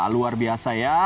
luar biasa ya